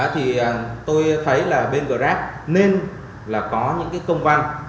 thì tôi thấy là bên grab nên là có những cái công văn